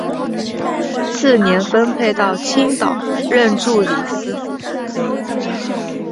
次年分配到青岛任助理司铎。